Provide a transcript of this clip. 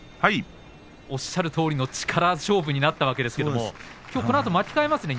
おっしゃるとおりの力勝負になったわけですけれども、きょうこのあと錦木が巻き替えますね。